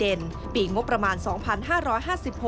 ซึ่งกลางปีนี้ผลการประเมินการทำงานขององค์การมหาชนปี๒ประสิทธิภาพสูงสุด